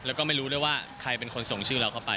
แล้วก็ไม่รู้ด้วยว่าใครเป็นคนส่งชื่อเราเข้าไป